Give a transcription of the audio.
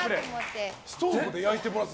ストーブで焼いてもらう？